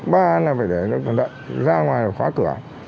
ba là phải để nó còn đợi ra ngoài là khóa cửa